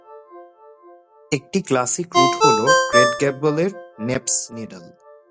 একটি classic route হল great গেবলের নেপ'স নিডল।